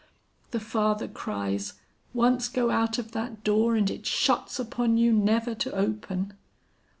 The father cries, 'Once go out of that door and it shuts upon you never to open!'